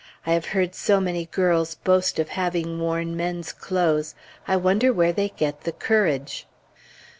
I have heard so many girls boast of having worn men's clothes; I wonder where they get the courage.